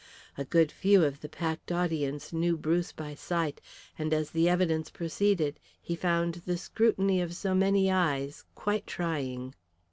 A good few of the packed audience knew Bruce by sight, and as the evidence proceeded he found the scrutiny of so many eyes quite trying.